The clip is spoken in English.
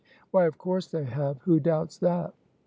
"Why, of course they have! who doubts that?"